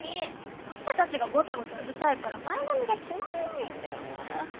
あんたたちがごちゃごちゃうるさいから前髪が決まんないんだよね。